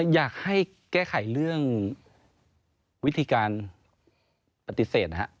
อยากให้แก้ไขเรื่องวิธีการปฏิเสธนะฮะ